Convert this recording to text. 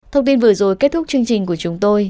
thông tin vừa rồi kết thúc chương trình của chúng tôi